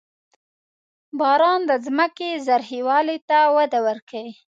• باران د ځمکې زرخېوالي ته وده ورکوي.